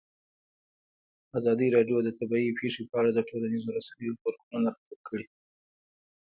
ازادي راډیو د طبیعي پېښې په اړه د ټولنیزو رسنیو غبرګونونه راټول کړي.